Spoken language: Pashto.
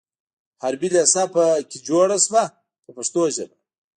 حربي لېسه په کې جوړه شوه په پښتو ژبه.